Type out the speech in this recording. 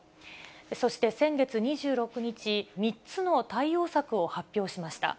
そして先月２６日、３つの対応策を発表しました。